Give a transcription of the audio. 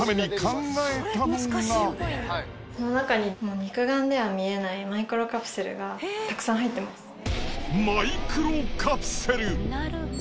この中に、肉眼では見えないマイクロカプセルがたくさん入ってます。